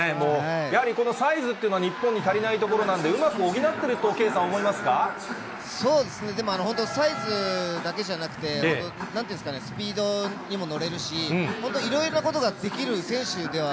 やはり、このサイズっていうの、日本に足りないところなんで、うまく補っていると、圭さん、そうですね、でも本当、サイズだけじゃなくて、本当、なんて言うんですかね、スピードにも乗れるし、本当、いろいろなことができる選手では、